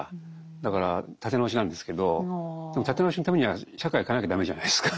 だから立て直しなんですけどでも立て直しのためには社会を変えなきゃ駄目じゃないですか。